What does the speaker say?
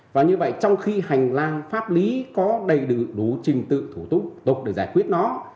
và như vậy trong khi hành lang pháp lý có đầy đủ trình tự thủ tục tục để giải quyết nó